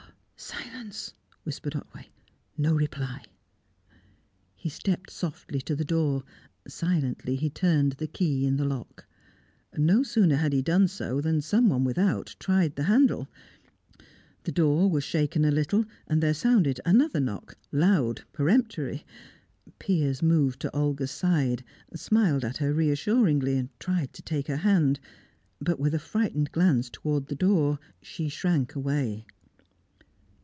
"Silence!" whispered Otway. "No reply!" He stepped softly to the door; silently he turned the key in the lock. No sooner had he done so, than someone without tried the handle; the door was shaken a little, and there sounded another knock, loud, peremptory. Piers moved to Olga's side, smiled at her reassuringly, tried to take her hand; but, with a frightened glance towards the door, she shrank away.